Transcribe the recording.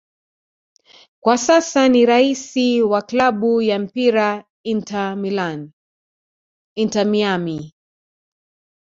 Kwa sasa ni raisi wa klabu ya mpira Inter Miami